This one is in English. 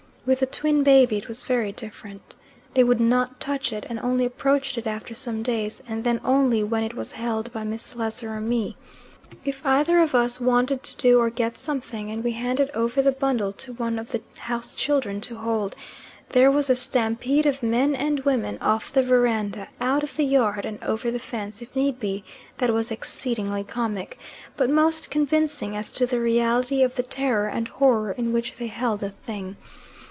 With the twin baby it was very different. They would not touch it and only approached it after some days, and then only when it was held by Miss Slessor or me. If either of us wanted to do or get something, and we handed over the bundle to one of the house children to hold, there was a stampede of men and women off the verandah, out of the yard, and over the fence, if need be, that was exceedingly comic, but most convincing as to the reality of the terror and horror in which they held the thing.